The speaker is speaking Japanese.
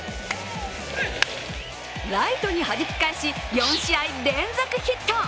ライトにはじき返し４試合連続ヒット。